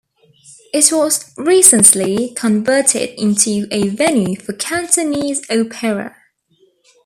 It was recently converted into a venue for Cantonese opera.